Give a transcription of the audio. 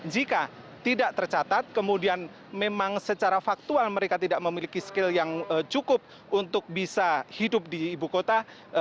jika tidak tercatat kemudian memang secara faktual mereka tidak memiliki skill yang cukup untuk bisa hidup di ibu kota